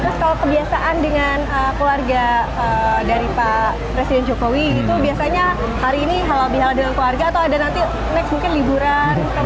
terus kalau kebiasaan dengan keluarga dari pak presiden jokowi itu biasanya hari ini halal bihala dengan keluarga atau ada nanti next mungkin liburan